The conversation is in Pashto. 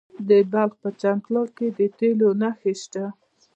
د بلخ په چمتال کې د تیلو نښې شته.